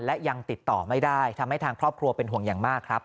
และยังติดต่อไม่ได้ทำให้ทางครอบครัวเป็นห่วงอย่างมากครับ